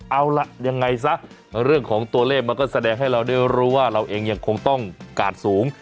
เอาล่ะยังไงซะเรื่องของตัวเลขมันก็แสดงให้เราได้รู้ว่าเราเองยังคงต้องกาดสูง